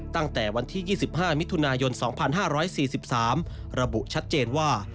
ตั้งแต่วันที่๒๕มิถุนายน๒๕๔๓ระบุชัดเจนว่า